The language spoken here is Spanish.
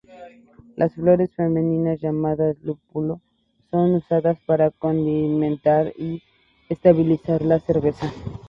Las flores femeninas, llamadas lúpulo, son usadas para condimentar y estabilizar la cerveza.